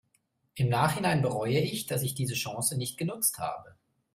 Im Nachhinein bereue ich, dass ich diese Chance nicht genutzt habe.